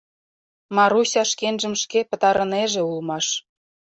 Маруся шкенжым шке пытарынеже улмаш...